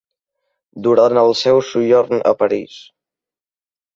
Durant el seu sojorn a París.